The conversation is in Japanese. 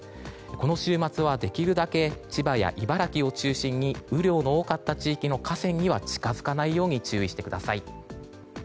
この週末はできるだけ千葉や茨城を中心に雨量の多かった地域の河川には近づかないように注意してください。